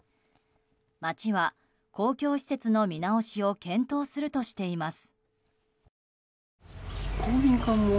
町は公共施設の見直しを検討するとしています。